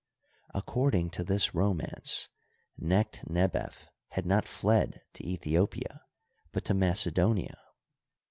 According to this romance, Necht nebef had not fled to Aethiopia, but to Macedonia.